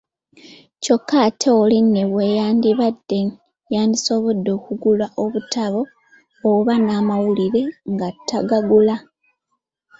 Kyokka ate oli ne bwe yandibadde yandisobodde okugula obutabo oba amawulire ago tagagula.